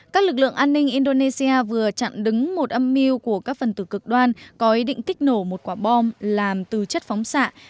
các lực lượng an ninh indonesia vừa chặn đứng một âm mưu của các phần tử cực đoan có ý định kích nổ một quả bom làm từ chất phóng xạ